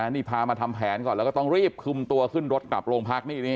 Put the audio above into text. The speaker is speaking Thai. นี่พามาทำแผนก่อนแล้วก็ต้องรีบคุมตัวขึ้นรถกลับโรงพักนี่